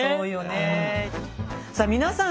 さあ皆さん